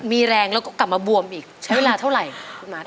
มีแรงแล้วก็กลับมาบวมอีกใช้เวลาเท่าไหร่คุณหัส